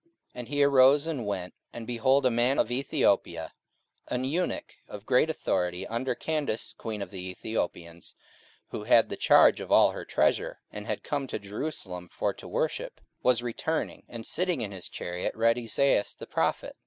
44:008:027 And he arose and went: and, behold, a man of Ethiopia, an eunuch of great authority under Candace queen of the Ethiopians, who had the charge of all her treasure, and had come to Jerusalem for to worship, 44:008:028 Was returning, and sitting in his chariot read Esaias the prophet.